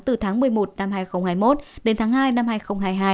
từ tháng một mươi một năm hai nghìn hai mươi một đến tháng hai năm hai nghìn hai mươi hai